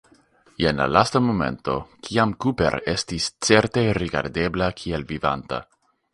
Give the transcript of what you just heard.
Jen la lasta momento, kiam Cooper estis certe rigardebla kiel vivanta.